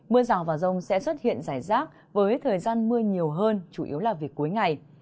mưa rào và rông sẽ xuất hiện rải rác với thời gian mưa nhiều hơn chủ yếu là việc cuối ngày